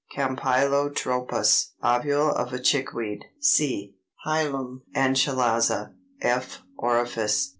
345. Campylotropous ovule of a Chickweed: c, hilum and chalaza; f, orifice.